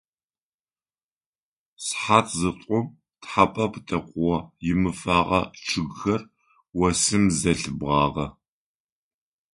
Сыхьат зытӏум тхьэпэ пытэкъугъо имыфэгъэ чъыгхэр осым зэлъибгъагъэ.